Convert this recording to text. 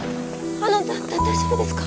あのだ大丈夫ですか？